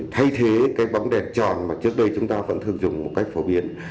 thay thế cái bóng đèn tròn mà trước đây chúng ta vẫn thường dùng một cách phổ biến